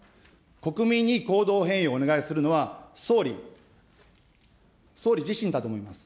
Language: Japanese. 国民に行動変容をお願いするのは総理、総理自身だと思います。